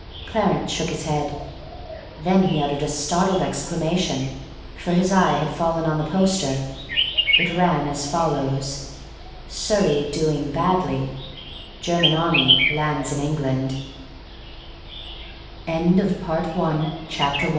Clarence shook his head. Then he uttered a startled exclamation, for his eye had fallen on the poster. It ran as follows: SURREY DOING BADLY GERMAN ARMY LANDS IN ENGLAND Chapter 2 THE INVADERS Clarence flung the